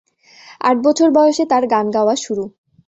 আট বছর বয়সে তার গান গাওয়া শুরু।